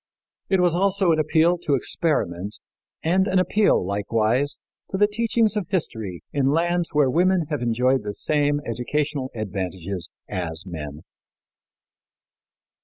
It was also an appeal to experiment and an appeal, likewise, to the teachings of history in lands where women have enjoyed the same educational advantages as men.